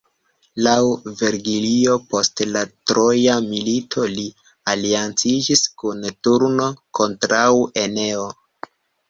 Laŭ Vergilio, post la Troja milito li alianciĝis kun Turno kontraŭ Eneo.